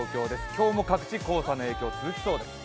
今日も各地、黄砂の影響、続きそうです。